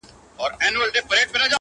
خو تېروتني تکرارېږي,